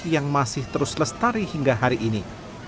yang masih terus lestari hingga hari ini